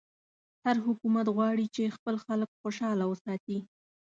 هر حکومت غواړي چې خپل خلک خوشحاله وساتي.